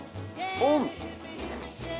オン。